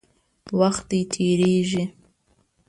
وخت دی، تېرېږي.